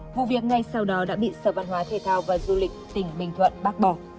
vụ việc ngay sau đó đã bị sở văn hóa thể thao và du lịch tỉnh bình thuận bác bỏ